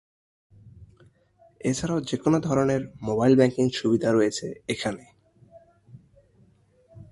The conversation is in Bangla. এছাড়াও যেকোন ধরনের মোবাইল ব্যাংকিং সুবিধা রয়েছে এখানে।